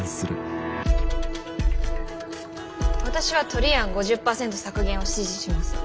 私はトリ案５０％削減を支持します。